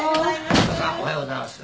明子さんおはようございます。